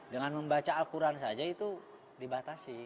dengan membaca al quran saja itu dibatasi